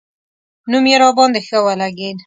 نوم یې راباندې ښه ولګېد.